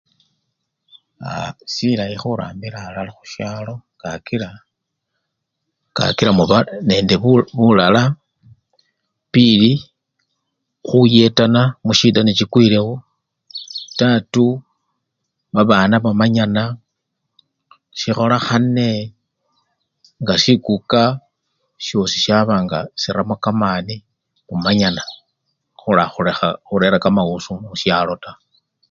Aaa! silayi khurambila alala khusyalo kakila! kakila muba nende bulala, pili khuyetana musyida nechikwilewo, tatu babana bamanyana, sikhola khane nga sikuka syosi syaba nga siramo kamani khumanyana khulekha! khuta khurera kamawusu khusyalo taa.